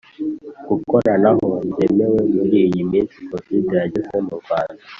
Gukoranaho ntibyemewe muri iyi minsi covid yageze mu Rwanda